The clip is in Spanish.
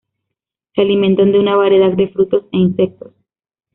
Se alimentan de una variedad de frutos e insectos.